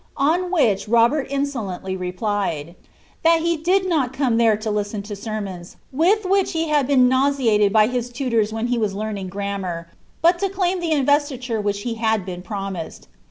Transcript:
On which Robert insolently replied, That he did not come ere to listen to sermons, with which he had been nauseated by his tors when he was learning grammar, but to claim the investiture hich had been promised to him.